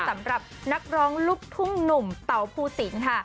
สำหรับนักร้องลูกทุ่งหนุ่มเต๋าภูสินค่ะ